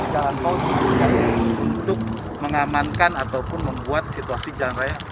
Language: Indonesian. jalan tol ini untuk mengamankan ataupun membuat situasi jalan raya